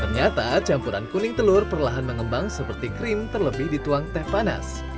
ternyata campuran kuning telur perlahan mengembang seperti krim terlebih dituang teh panas